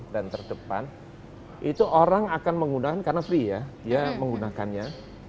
dan terdepan itu orang akan menggunakan karena free ya dia menggunakannya